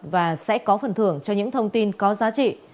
và sẽ có phần thưởng cho những thông tin có giá trị